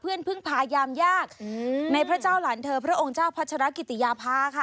เพื่อนพึ่งพายามยากในพระเจ้าหล่านเธอพระองค์เจ้าภัฏฎิเยาะประชาติยาภาค่ะ